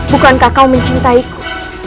bukankah kau mencintaiku